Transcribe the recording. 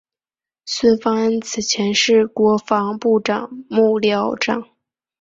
孙芳安此前是国防部长幕僚长。